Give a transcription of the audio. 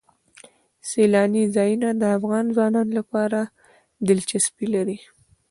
سیلانی ځایونه د افغان ځوانانو لپاره دلچسپي لري.